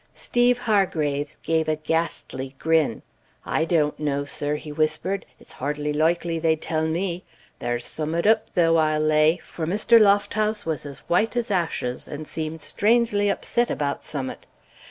Steeve Hargraves gave a ghastly grin. "I doant know, sir," he whispered. "It's hardly loikely they'd tell me. There's summat oop, though, I'll lay, for Mr. Lofthouse was as whoite as ashes, and seemed strangely oopset about summat.